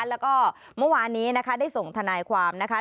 แล้วก็เมื่อวานนี้นะคะได้ส่งทนายความนะคะ